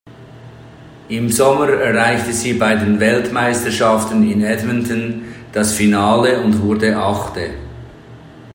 Im Sommer erreichte sie bei den Weltmeisterschaften in Edmonton das Finale und wurde Achte.